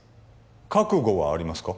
覚悟はありますか？